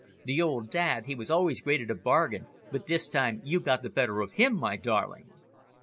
"The old dad, he was always great at a bargain, but this time you got the better of him, my darling."